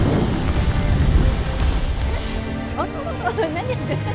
何やってるの？